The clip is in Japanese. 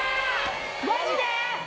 マジで！？